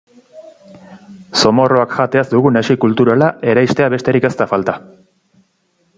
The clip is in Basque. Zomorroak jateaz dugun hesi kluturala eraistea besterik ez da falta!